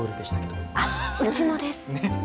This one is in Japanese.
あうちもです。